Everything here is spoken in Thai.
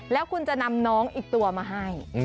แล้วคุณจะนำน้องอีกตัวมาให้